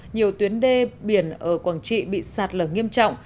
nhiều tuyến đê biển ở quảng trị bị sạt lở nghiêm trọng